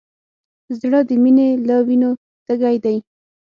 زړه د مینې له وینو تږی دی.